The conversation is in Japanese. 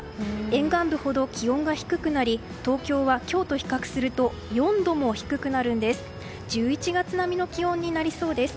沿岸部ほど気温が低くなり東京は今日と比較すると４度も低くなるんです。